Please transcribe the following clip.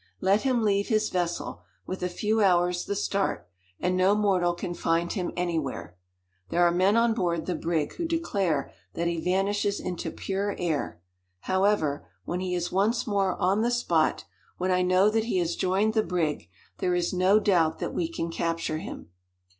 Let him leave his vessel, with a few hours the start, and no mortal can find him anywhere. There are men on board the brig who declare that he vanishes into pure air. However, when he is once more on the spot when I know that he has joined the brig there is no doubt that we can capture him."